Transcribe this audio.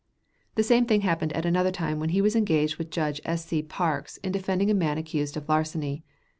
The same thing happened at another time when he was engaged with Judge S. C. Parks in defending a man accused of larceny.